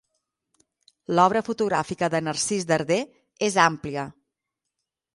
L'obra fotogràfica de Narcís Darder és àmplia.